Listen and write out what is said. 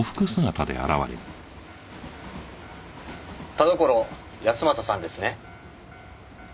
田所康正さんですね？